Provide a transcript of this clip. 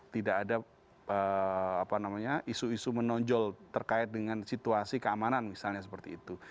tidak ada isu isu menonjol terkait dengan situasi keamanan misalnya seperti itu